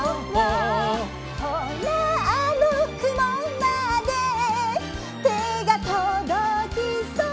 「ほらあのくもまでてがとどきそう」